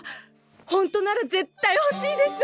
ホントなら絶対ほしいです！